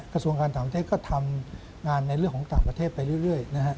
กระทรวงการต่างประเทศก็ทำงานในเรื่องของต่างประเทศไปเรื่อยนะฮะ